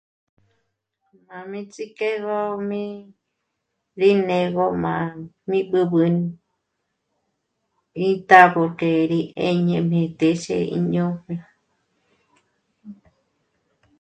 Pa mí ts'ijk'egö mí rí né'egö m'â'a mí b'üb'ü íntá'a porque rí 'éñe mí téxe íjñópji